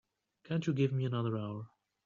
Can't you give me another hour?